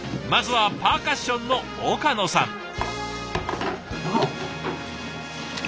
まずはパーカッションの岡野さん。